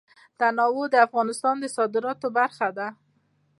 تنوع د افغانستان د صادراتو برخه ده.